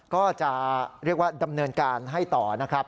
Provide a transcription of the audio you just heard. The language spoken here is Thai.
ก็จะเรียกว่าดำเนินการให้ต่อนะครับ